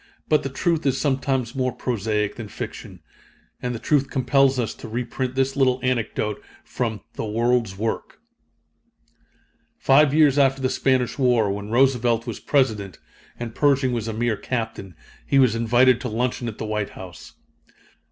But the truth is sometimes more prosaic than fiction; and the truth compels us to reprint this little anecdote from The World's Work. Five years after the Spanish War, when Roosevelt was President and Pershing was a mere Captain, he was invited to luncheon at the White House.